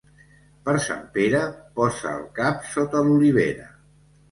Per Sant Pere posa el cap sota l'olivera.